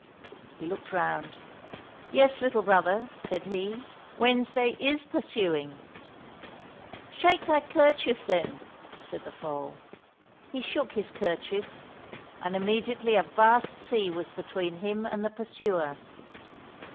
He looked round :" Yes, little brother," said he, " Wednesday /^^ursuing !"—*' Shake thy kerchief then !" said the foal. He shook his kerchief, and immediately a vast sea was between him and the pursuer.